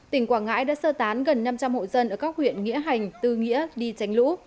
tỉnh quảng ngãi đã sơ tán gần năm trăm linh hộ dân ở các huyện nghĩa hành tư nghĩa đi tránh lũ